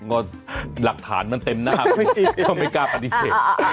ก็หลักฐานมันเต็มหน้าไม่กล้าปฏิเสธ